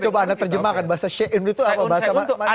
coba anda terjemahkan bahasa syaiun itu apa bahasa indonesia